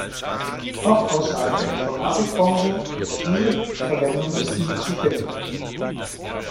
Auch außerhalb der Informatik-Branche ist diese Verwendung des „i“ zu finden.